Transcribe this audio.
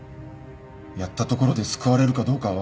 やったところで救われるかどうかは分からない。